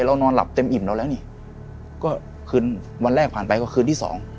เรานอนหลับเต็มอิ่มเราแล้วนี่ก็คืนวันแรกผ่านไปก็คืนที่สอง